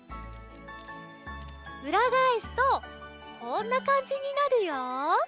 うらがえすとこんなかんじになるよ。